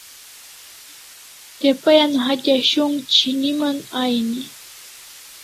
Te pay an hatya sh'ong chiniman aini